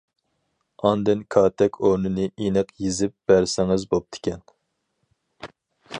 ئاندىن كاتەك ئورنىنى ئېنىق يېزىپ بەرسىڭىز بوپتىكەن.